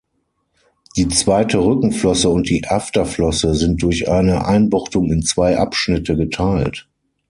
Die zweite Rückenflosse und die Afterflosse sind durch eine Einbuchtung in zwei Abschnitte geteilt.